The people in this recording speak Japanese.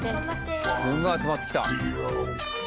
すごい集まってきた。